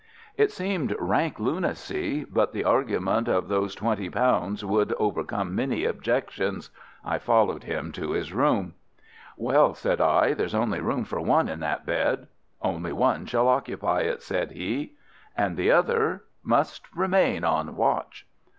It seemed rank lunacy, but the argument of those twenty pounds would overcome many objections. I followed him to his room. "Well," said I, "there's only room for one in that bed." "Only one shall occupy it," said he. "And the other?" "Must remain, on watch."